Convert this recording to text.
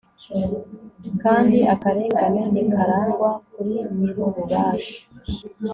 kandi akarengane ntikarangwa kuri nyir'ububasha